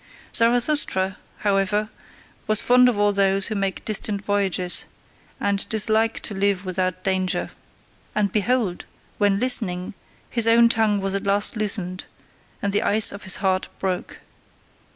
Zarathustra, however, was fond of all those who make distant voyages, and dislike to live without danger. And behold! when listening, his own tongue was at last loosened, and the ice of his heart broke.